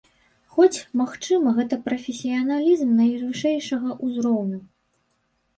Хоць, магчыма, гэта прафесіяналізм найвышэйшага ўзроўню.